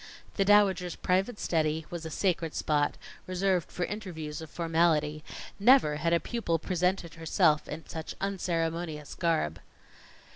The Dowager's private study was a sacred spot, reserved for interviews of formality; never had a pupil presented herself in such unceremonious garb.